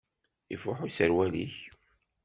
Ifuḥ userwal-ik.